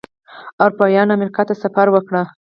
اروپایانو امریکا ته سفر وکړ.